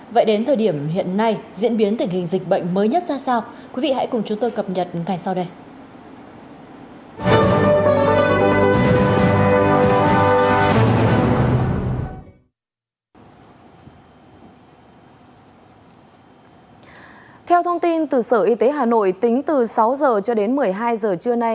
vậy đến thời điểm hiện nay diễn biến tình hình dịch bệnh mới nhất ra sao quý vị hãy cùng chúng tôi cập nhật ngày sau đây